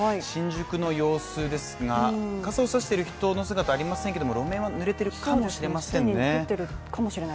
新宿の様子ですが、傘を差している人の姿はありませんけれども路面はぬれているかもしれませんね。